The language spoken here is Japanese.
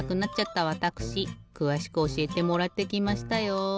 くわしくおしえてもらってきましたよ。